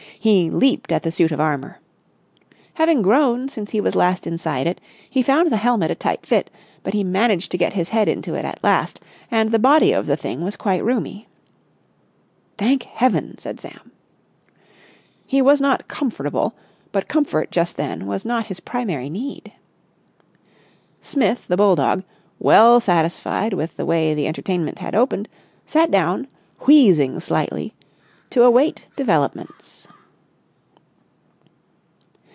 He leaped at the suit of armour. Having grown since he was last inside it, he found the helmet a tight fit, but he managed to get his head into it at last, and the body of the thing was quite roomy. "Thank heaven!" said Sam. He was not comfortable, but comfort just then was not his primary need. Smith the bulldog, well satisfied with the way the entertainment had opened, sat down, wheezing slightly, to await developments.